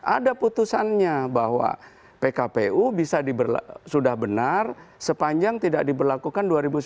ada putusannya bahwa pkpu sudah benar sepanjang tidak diberlakukan dua ribu sembilan belas